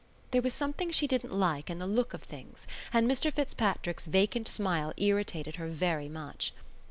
There was something she didn't like in the look of things and Mr Fitzpatrick's vacant smile irritated her very much.